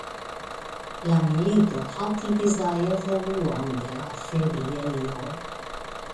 La milito haltigis la evoluon de la feriejo.